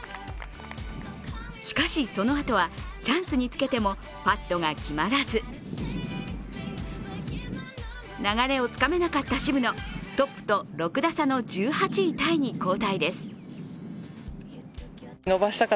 しかしそのあとはチャンスにつけてもパットが決まらず流れをつかめなかった渋野、トップと６打差の１８位タイに後退です。